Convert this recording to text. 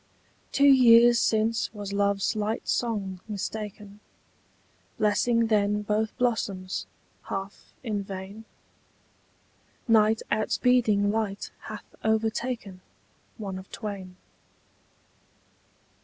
Two years since was love's light song mistaken, Blessing then both blossoms, half in vain? Night outspeeding light hath overtaken One of twain.